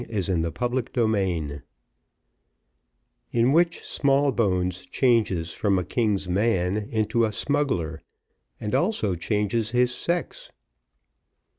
Chapter XLIII In which Smallbones changes from a king's man into a smuggler, and also changes his sex.